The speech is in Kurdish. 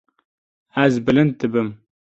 Ez bilind dibim.